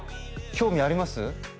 興味あります？